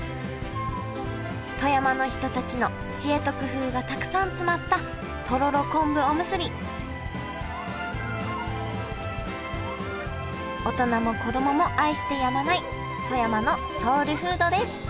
富山の人たちの知恵と工夫がたくさん詰まったとろろ昆布おむすび大人も子供も愛してやまない富山のソウルフードです